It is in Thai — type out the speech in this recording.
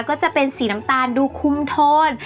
ก็จะเป็นสีน้ำตาลดูคุมโทน